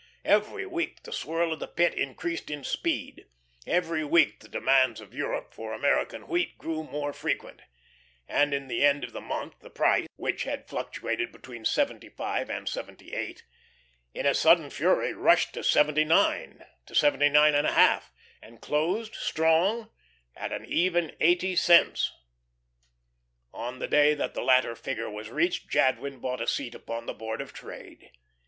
Every week the swirl of the Pit increased in speed, every week the demands of Europe for American wheat grew more frequent; and at the end of the month the price which had fluctuated between seventy five and seventy eight in a sudden flurry rushed to seventy nine, to seventy nine and a half, and closed, strong, at the even eighty cents. On the day when the latter figure was reached Jadwin bought a seat upon the Board of Trade.